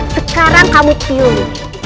sekarang kamu pilih